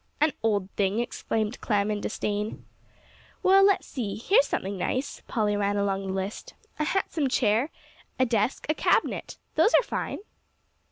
"An old thing!" exclaimed Clem in disdain. "Well, let's see; here's something nice" Polly ran along the list "a handsome chair, a desk, a cabinet. Those are fine!"